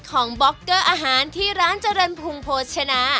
ของบ๊อกเกอร์อาหารที่ร้านจรรพงษ์โภชนะ